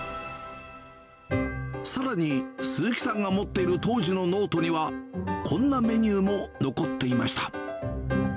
さらに鈴木さんが持っている当時のノートには、こんなメニューも残っていました。